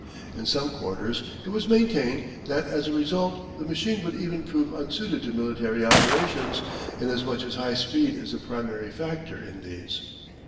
In some quarters it was maintained that as a result the machine would even prove unsuited to military operations, inasmuch as high speed is the primary factor in these.